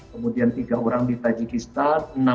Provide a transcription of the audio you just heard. kemudian tiga orang di tajikistan